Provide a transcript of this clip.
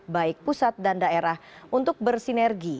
baik pusat dan daerah untuk bersinergi